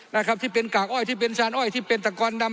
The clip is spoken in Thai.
นะครับที่เป็นกากอ้อยที่เป็นชานอ้อยที่เป็นตะกอนดำ